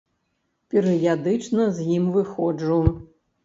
Перыядычна з ім выходжу.